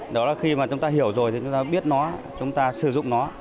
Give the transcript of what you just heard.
đó là khi mà chúng ta hiểu rồi thì chúng ta biết nó